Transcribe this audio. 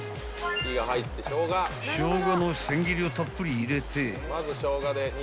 ［ショウガの千切りをたっぷり入れて］